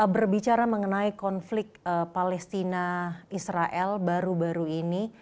berbicara mengenai konflik palestina israel baru baru ini